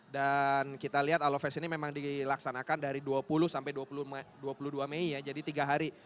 dan kita lihat halo fest ini memang dilaksanakan dari dua puluh sampai dua puluh dua mei ya jadi tiga hari